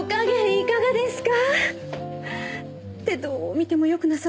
いかがですか？